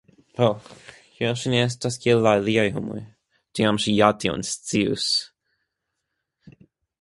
Ho, kial ŝi ne estas kiel la aliaj homoj, tiam ŝi ja tion scius.